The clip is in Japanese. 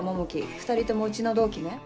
２人ともうちの同期ね。